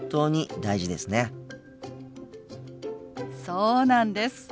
そうなんです。